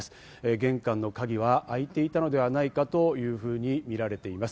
玄関の鍵は開いていたのではないかというふうにみられています。